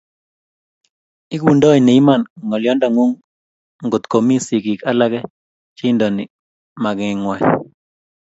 Egundoi ne iman ngolyongung ngotkomi sigik alake cheindochin magengwai